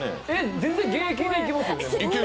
全然現役でいけますよね。